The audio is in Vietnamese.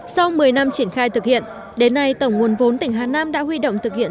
sau một mươi năm triển khai thực hiện đến nay tổng nguồn vốn tỉnh hà nam đã huy động thực hiện